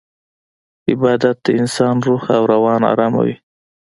عبادت د انسان روح او روان اراموي.